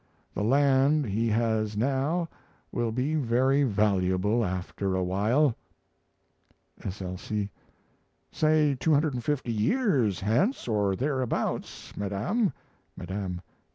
The land he has now will be very valuable after a while 'S. L. C.' Say 250 years hence, or thereabouts, Madame 'Madame.'